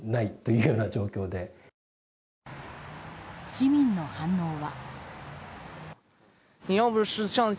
市民の反応は。